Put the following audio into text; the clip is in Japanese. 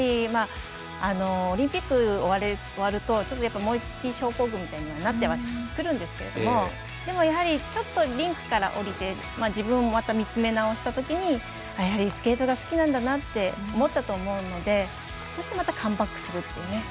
オリンピック終わると燃え尽き症候群みたいにはなってくるんですけどでも、やはりちょっとリンクから降りて自分をまた見つめ直したときにやはりスケートが好きなんだなと思ったと思うのでそして、カムバックするという。